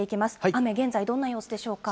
雨、現在どんな様子でしょうか。